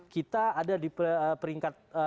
kita ada di peringkat